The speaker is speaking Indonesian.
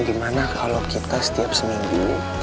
dimana kalau kita setiap seminggu